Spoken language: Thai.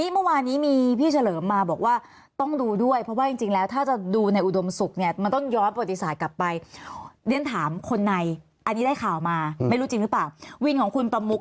ไม่รู้จริงหรือเปล่าวินของคุณประมุก